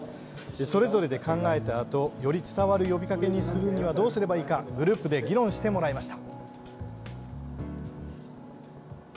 それぞれで考えたあとより伝わる呼びかけにするにはどうすればいいかグループで議論してもらいました。